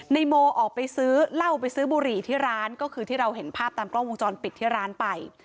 ในโมออกไปซื้อเหล้าไปซื้อบุหรี่ที่ร้านก็คือที่เราเห็นภาพตามกล้องวงจรปิดที่ร้านไป